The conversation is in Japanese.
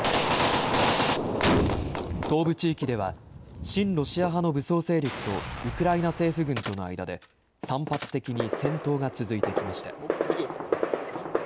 東部地域では、親ロシア派の武装勢力とウクライナ政府軍との間で、散発的に戦闘が続いてきました。